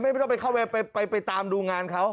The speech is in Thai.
ไม่ต้องไปเข้าไปตามดูงานเขา